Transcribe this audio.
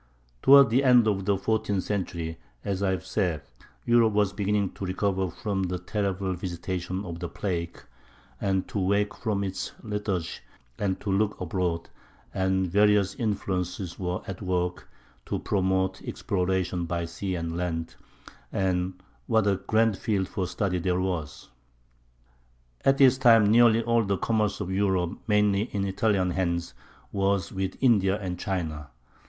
Toward the end of the fourteenth century, as I have said, Europe was beginning to recover from the terrible visitations of the plague, and to wake from its lethargy and to look abroad; and various influences were at work to promote exploration by sea and land—and what a grand field for study there was! At this time nearly all the commerce of Europe, mainly in Italian hands, was with India and China.